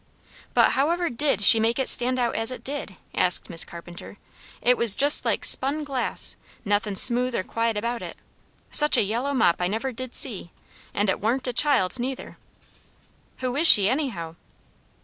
"But how ever did she make it stand out as it did," asked Miss Carpenter. "It was just like spun glass, nothin' smooth or quiet about it. Such a yellow mop I never did see. And it warn't a child neither. Who is she anyhow?"